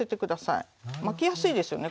巻きやすいですよね